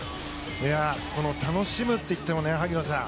この楽しむって言っても萩野さん